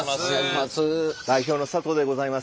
代表の佐藤でございます。